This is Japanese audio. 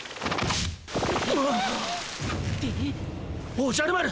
おじゃる丸。